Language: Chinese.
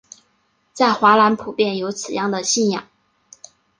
在华南普遍有此样的信仰。